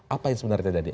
apa yang sebenarnya tadi